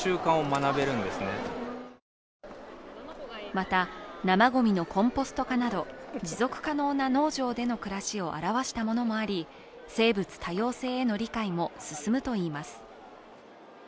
また、生ごみのコンポスト化など持続可能な農場での暮らしを表したものもあり生物多様性への理解も進むといいます。